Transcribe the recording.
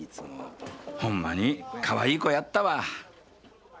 ほんまにかわいい子やったわ。